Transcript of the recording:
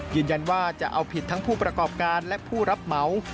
ยืนยันว่าจะเอาผิดทั้งผู้ประกอบการและผู้รับเหมา